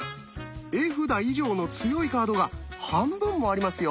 絵札以上の強いカードが半分もありますよ！